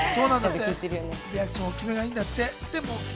リアクションは大きめがいいんだって。